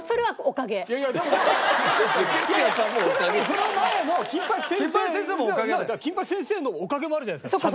その前の金八先生だから金八先生のおかげもあるじゃないですか。